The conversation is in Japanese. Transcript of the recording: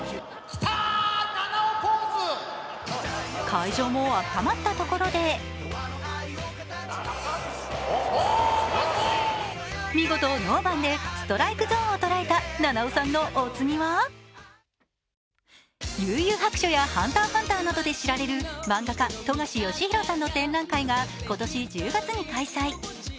会場もあったまったところで見事ノーバンでストライクゾーンを捉えた菜々緒さんのお次は、「幽☆遊☆白書」や「ＨＵＮＴＥＲ×ＨＵＮＴＥＲ」などで知られる漫画家・冨樫義博さんの展覧会が今年１０月に開催。